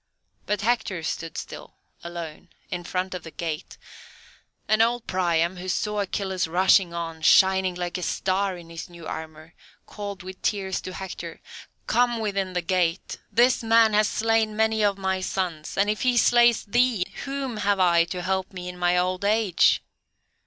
But Hector stood still, alone, in front of the gate, and old Priam, who saw Achilles rushing on, shining like a star in his new armour, called with tears to Hector, "Come within the gate! This man has slain many of my sons, and if he slays thee whom have I to help me in my old age?"